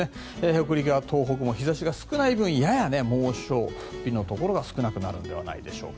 北陸や東北も日差しが少ない分やや猛暑日のところが少なくなるのではないでしょうか。